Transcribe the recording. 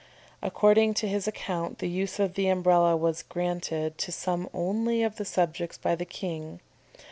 According to his account the use of the Umbrella was granted to some only of the subjects by the king.